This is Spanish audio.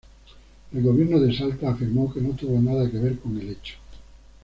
El Gobierno de Salta afirmó que no tuvo nada que ver con el hecho.